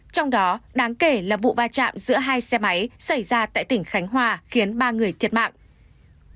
trong đó đáng kể là vụ va chạm giữa hai xe máy xảy ra tại tỉnh khánh hòa khiến ba người thiệt mạng